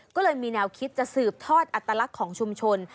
ก็เลยมีแนวคิดจะสืบทอดอัตลักษณ์ของชุมชน